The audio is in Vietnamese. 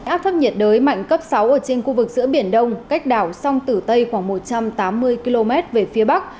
áp thấp nhiệt đới mạnh cấp sáu ở trên khu vực giữa biển đông cách đảo sông tử tây khoảng một trăm tám mươi km về phía bắc